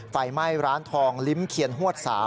ไฟไหม้ร้านทองลิ้มเคียนฮวด๓